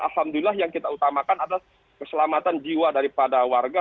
alhamdulillah yang kita utamakan adalah keselamatan jiwa daripada warga